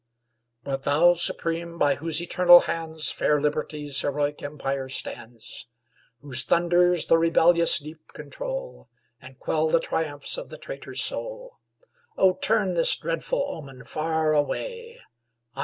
But thou, Supreme, by whose eternal hands Fair Liberty's heroic empire stands; Whose thunders the rebellious deep control, And quell the triumphs of the traitor's soul, O turn this dreadful omen far away!